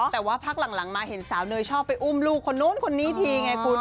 แต่ว่าพักหลังมาเห็นสาวเนยชอบไปอุ้มลูกคนนู้นคนนี้ทีไงคุณ